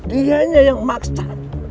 dia yang maksa